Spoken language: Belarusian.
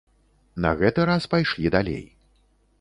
На гэты раз пайшлі далей.